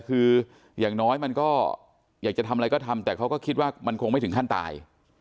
คืออย่างน้อยมันก็อยากจะทำอะไรก็ทำแต่เขาก็คิดว่ามันคงไม่ถึงขั้นตาย